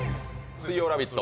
水曜「ラヴィット！」